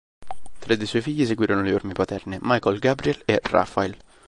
Tre dei suoi figli seguirono le orme paterne: Michael, Gabriel e Raphael.